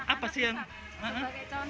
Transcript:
apa sih yang